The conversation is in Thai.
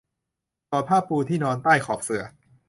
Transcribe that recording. สอดผ้าปูที่นอนใต้ขอบเสื่อ